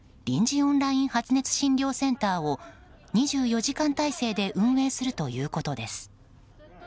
オンライン発熱診療センターを２４時間態勢で運営するということです。